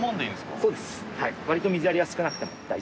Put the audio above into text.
わりと水やりは少なくても大丈夫です。